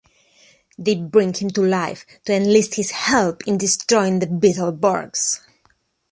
They bring him to life to enlist his help in destroying the Beetleborgs.